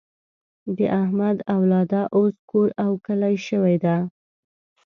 د احمد اولاده اوس کور او کلی شوې ده.